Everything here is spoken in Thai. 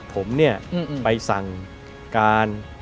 ผมเนี่ยไปสั่งการ